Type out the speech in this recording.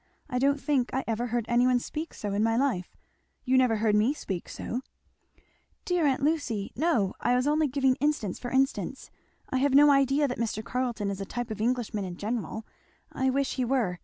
I don't think I ever heard any one speak so in my life you never heard me speak so." "Dear aunt Lucy! no, I was only giving instance for instance. I have no idea that Mr. Carleton is a type of Englishmen in general I wish he were.